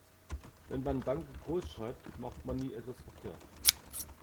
Wenn man "Danke" groß schreibt, macht man nie etwas verkehrt.